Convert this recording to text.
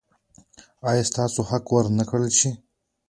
ایا ستاسو حق به ور نه کړل شي؟